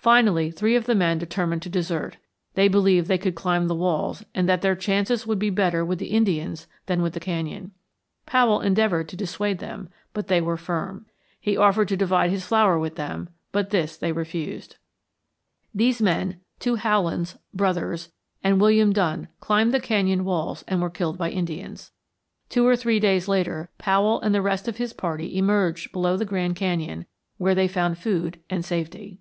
Finally three of the men determined to desert; they believed they could climb the walls and that their chances would be better with the Indians than with the canyon. Powell endeavored to dissuade them, but they were firm. He offered to divide his flour with them, but this they refused. These men, two Howlands, brothers, and William Dunn, climbed the canyon walls and were killed by Indians. Two or three days later Powell and the rest of his party emerged below the Grand Canyon, where they found food and safety.